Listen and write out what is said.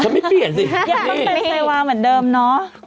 ฉันไม่เปลี่ยนสิยังต้องเป็นเซวาาเหมือนเดิมเนาะ